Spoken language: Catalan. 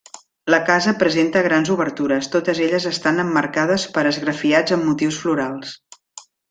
La casa presenta grans obertures, totes elles estan emmarcades per esgrafiats amb motius florals.